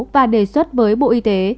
và đề xuất với bộ y tế